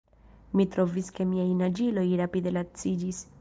Mi trovis ke miaj naĝiloj rapide laciĝis.